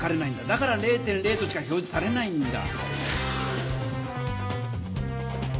だから０．０としか表じされないんだ。